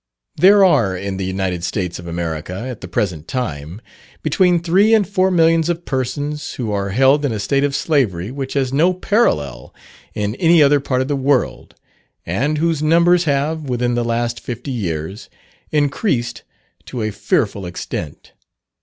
There are in the United States of America, at the present time, between three and four millions of persons, who are held in a state of slavery which has no parallel in any other part of the world; and whose numbers have, within the last fifty years, increased to a fearful extent.